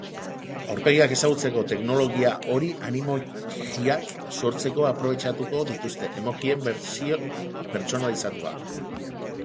Aurpegiak ezagutzeko teknologia hori animojiak sortzeko aprobetxatuko dituzte, emojien bertsio pertsonalizatua.